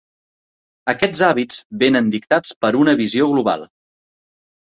Aquests hàbits venen dictats per una visió global.